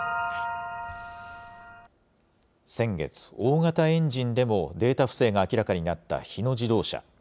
先月、大型エンジンでもデータ不正が明らかになった日野自動車。